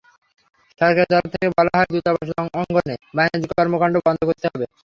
সরকারের তরফ থেকে বলা হয়, দূতাবাস অঙ্গনে বাণিজ্যিক কর্মকাণ্ড বন্ধ করতে হবে।